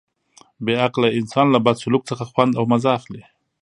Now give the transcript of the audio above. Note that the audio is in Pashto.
بې عقله انسان له بد سلوک څخه خوند او مزه اخلي.